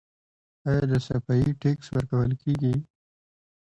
آیا د صفايي ټکس ورکول کیږي؟